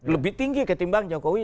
lebih tinggi ketimbang jokowi